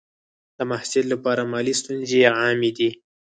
د محصل لپاره مالي ستونزې عامې دي.